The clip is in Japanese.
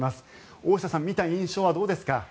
大下さん見た印象はどうですか？